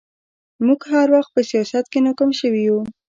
موږ هر وخت په سياست کې ناکام شوي يو